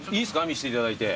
見せていただいて。